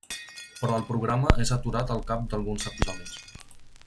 Però el programa és aturat al cap d'alguns episodis.